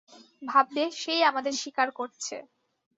ভাববে সেই আমাদের শিকার করছে।